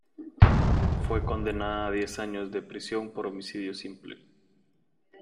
Fue condenada a diez años de prisión por homicidio simple.